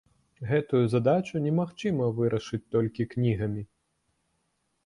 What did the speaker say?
Гэтую задачу немагчыма вырашыць толькі кнігамі.